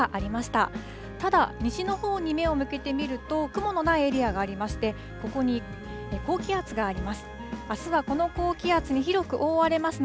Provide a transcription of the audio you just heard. ただ、西のほうに目を向けてみると、雲のないエリアがありまして、ここに高気圧があります。